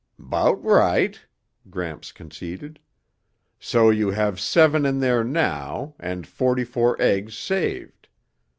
"'Bout right," Gramps conceded. "So you have seven in there now and forty four eggs saved.